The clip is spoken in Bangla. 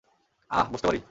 আহ, বসতে পারি?